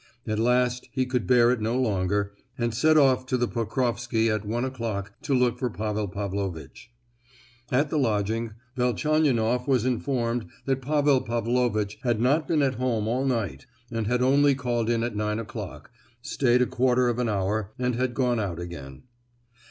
At last he could bear it no longer and set off to the Pokrofsky at one o'clock to look for Pavel Pavlovitch. At the lodging, Velchaninoff was informed that Pavel Pavlovitch had not been at home all night, and had only called in at nine o'clock, stayed a quarter of an hour, and had gone out again.